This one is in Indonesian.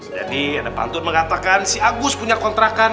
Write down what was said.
jadi ada pantun mengatakan si agus punya kontrakan